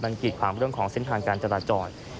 มันกีดขวางเรื่องของเส้นทางการจราจร